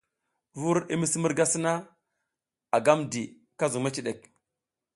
Vur i misi murga sina, a gam di ka zuƞ meciɗek.